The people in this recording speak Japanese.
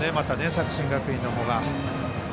作新学院の方が。